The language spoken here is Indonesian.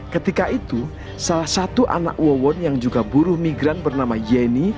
ketika itu salah satu anak wawon yang juga buruh migran bernama yeni